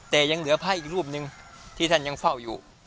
แต่ยังเหลือพระอีกรูปหนึ่งที่ท่านยังเฝ้าอยู่